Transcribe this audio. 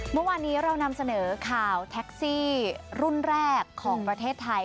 เมื่อวานนี้เรานำเสนอข่าวแท็กซี่รุ่นแรกของประเทศไทย